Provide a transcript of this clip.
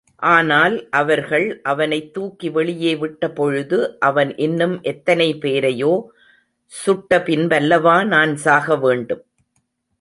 ஆனால் அவர்கள் அவனைத் தூக்கி வெளியே விட்டபொழுது அவன் இன்னும் எத்தனை பேரையோ சுட்டபின்பல்லவா நான் சாகவேண்டும்!